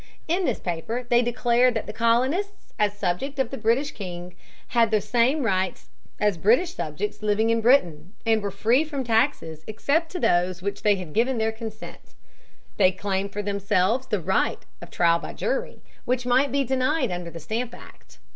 In this paper they declared that the colonists, as subjects of the British king, had the same rights as British subjects living in Britain, and were free from taxes except those to which they had given their consent. They claimed for themselves the right of trial by jury which might be denied under the Stamp Act.